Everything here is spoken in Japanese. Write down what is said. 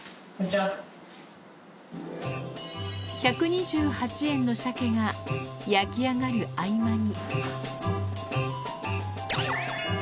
１２８円のシャケが焼き上がる合間に。